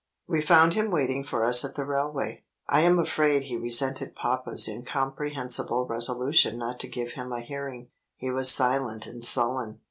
....... We found him waiting for us at the railway. I am afraid he resented papa's incomprehensible resolution not to give him a hearing. He was silent and sullen.